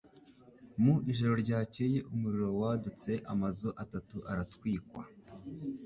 Mu ijoro ryakeye umuriro wadutse amazu atatu aratwikwa